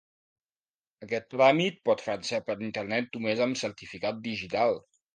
Aquest tràmit pot fer-se per internet només amb certificat digital.